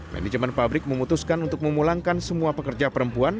manajemen pabrik memutuskan untuk memulangkan semua pekerja perempuan